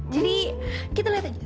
jadi kita lihat aja